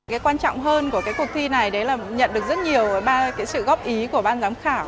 cái quan trọng hơn của cái cuộc thi này đấy là nhận được rất nhiều sự góp ý của ban giám khảo